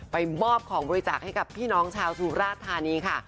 มอบของบริจาคให้กับพี่น้องชาวสุราชธานีค่ะ